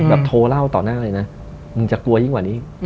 โทรเล่าต่อหน้าเลยนะมึงจะกลัวยิ่งกว่านี้